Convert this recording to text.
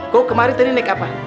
kau kemarin tadi naik apa